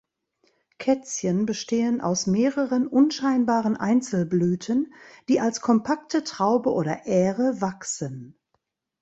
Kätzchen bestehen aus mehreren unscheinbaren Einzelblüten, die als kompakte Traube oder Ähre wachsen.